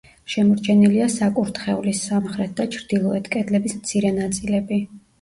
შემორჩენილია საკურთხევლის, სამხრეთ და ჩრდილოეთ კედლების მცირე ნაწილები.